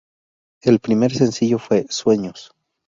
El primer sencillo fue "Sueños".